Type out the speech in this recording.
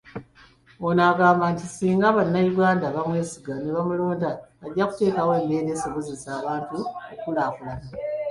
Ono agambye nti singa bannayuganda bamwesiga nebamulonda, ajja kuteekawo embeera esobozesa abantu okukulaakulana